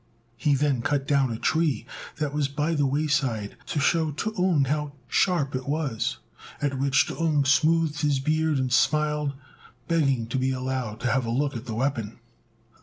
He then cut down a tree that was by the wayside, to shew T'ung how sharp it was; at which T'ung smoothed his beard and smiled, begging to be allowed to have a look at the weapon.